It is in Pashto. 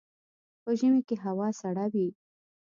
په ژمي کې هوا سړه وي